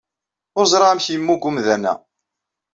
Ur ẓriɣ amek yemmug umdan-a.